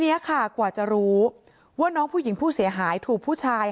เนี้ยค่ะกว่าจะรู้ว่าน้องผู้หญิงผู้เสียหายถูกผู้ชาย